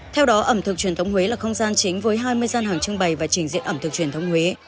theo đó ẩm thực truyền thống huế là không gian chính với hai mươi gian hàng trưng bày và trình diễn ẩm thực truyền thống huế